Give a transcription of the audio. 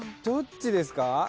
どっちですか？